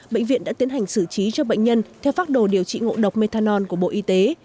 bệnh viện đã tiến hành xử trí cho bệnh nhân theo phác đồ điều trị ngộ độc methanol của bộ y tế